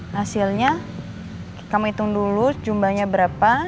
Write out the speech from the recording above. hasilnya kita hitung dulu jumlahnya berapa